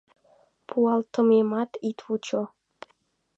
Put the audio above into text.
Пуалтымемат ит вучо: